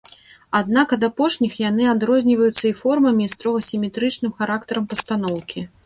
Аднак ад апошніх яны адрозніваюцца і формамі, і строга сіметрычным характарам пастаноўкі.